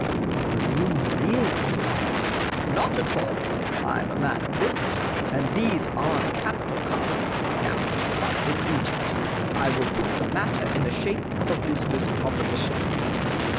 But the room reeled with me. " Not at all. I am a man of business. And these are good copy. Now, about this Egypt. I will put the matter in the shape of a business proposition.